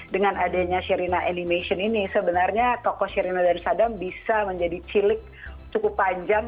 dengan adanya sherina animation ini sebenarnya tokoh sherina dan sadam bisa menjadi cilik cukup panjang